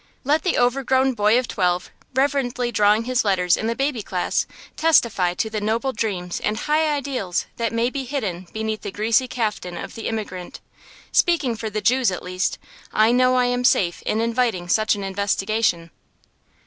Let the overgrown boy of twelve, reverently drawing his letters in the baby class, testify to the noble dreams and high ideals that may be hidden beneath the greasy caftan of the immigrant. Speaking for the Jews, at least, I know I am safe in inviting such an investigation.